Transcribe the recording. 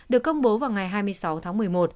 được công bố vào ngày hai mươi sáu tháng một mươi một